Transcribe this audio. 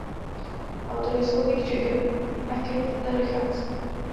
Autory jsou Mick Jagger a Keith Richards.